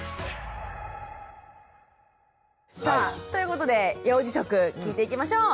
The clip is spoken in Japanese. さあということで幼児食聞いていきましょう！